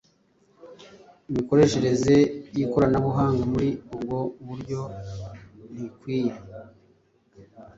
Imikoreshereze y’ikoranabuhanga muri ubwo buryo ntikwiye.